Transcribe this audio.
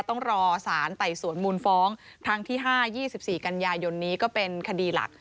ต้องรอสารไต่สวนมูลฟ้องครั้งที่๕๒๔กันยายนนี้ก็เป็นคดีหลัก